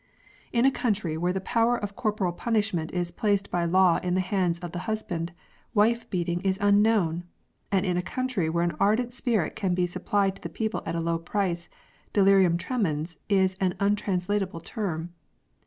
In a H 114 OPIUM SMOKING. country where the power of corporal punishments is placed by law in the hands of the husband, wife beat ing is unknown ; and in a country where an ardent spirit can be supplied to the people at a low price, deli Hum tremens is an untranslateable term.